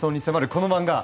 この漫画。